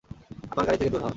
আমার গাড়ি থেকে দূর হ।